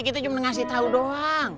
kita cuma ngasih tahu doang